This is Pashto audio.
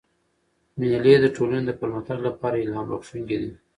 مېلې د ټولني د پرمختګ له پاره الهام بخښونکي دي.